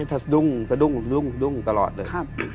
เขาจะสะดุ้งสะดุ้งสะดุ้งสะดุ้งตลอดเลย